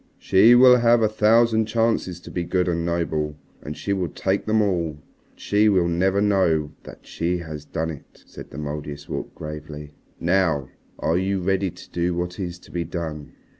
"She will have a thousand chances to be good and noble. And she will take them all. But she will never know that she has done it," said the Mouldiestwarp gravely. "Now are you ready to do what is to be done?"